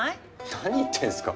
何言ってんすか？